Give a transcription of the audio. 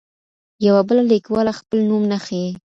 یوه بله لیکواله خپل نوم نه ښيي.